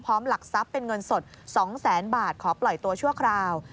หลักทรัพย์เป็นเงินสด๒แสนบาทขอปล่อยตัวชั่วคราว